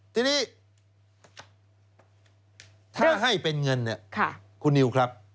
ทีนี้ถ้าให้เป็นเงินเนี่ยคุณนิวครับ